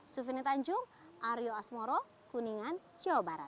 sufini tanjung aryo asmoro kuningan jawa barat